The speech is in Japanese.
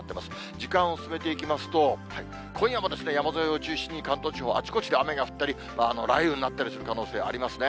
時間を進めていきますと、今夜も山沿いを中心に、関東地方、あちこちで雨が降ったり、雷雨になったりする可能性ありますね。